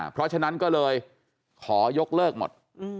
เพราะฉะนั้นก็เลยขอยกเลิกหมด